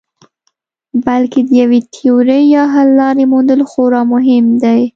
بلکې د یوې تیورۍ یا حللارې موندل خورا مهم کار دی.